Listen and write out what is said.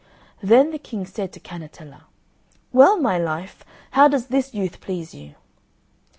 Then the King said to Cannetella, "Well, my life, how does this youth please you?"